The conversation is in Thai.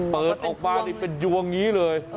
เปิดออกบ้านเป็นยวงนี้เลย